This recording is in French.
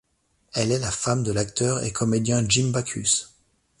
Elle est la femme de l'acteur et comédien Jim Backus.